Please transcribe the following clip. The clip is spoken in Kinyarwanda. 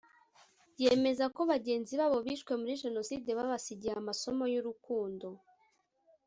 yemeza ko bagenzi babo bishwe muri Jenoside babasigiye amasomo y’urukundo